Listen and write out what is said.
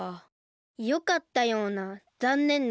よかったようなざんねんなような。